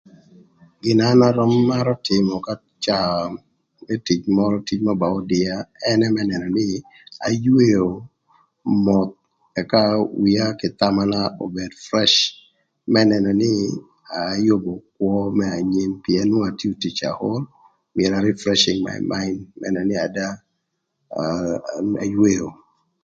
Gïn na an arömö marö tïmö ka caa më tic mörö ba ödïa ënë më nënö nï ayweo moth ëka wia kï thamana obed fresh, më nënö nï ayübö kwö më anyim pïën nwongo atio tic aol myero arefreshing my mine, më nënö nï ada ayweo.